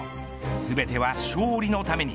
全ては勝利のために。